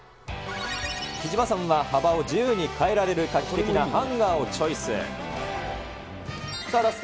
貴島さんは幅を自由に変えられる画期的なハンガーをチョイス。